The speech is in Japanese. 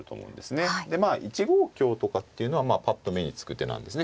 １五香とかっていうのはぱっと目につく手なんですね。